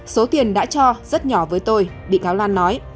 số tiền đã cho rất nhỏ với tôi bị cáo lan nói